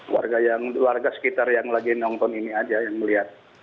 warga sekitar yang lagi menonton ini saja yang melihat